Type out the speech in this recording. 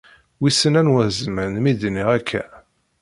Wissen anwa zzman mi d-nniɣ akka.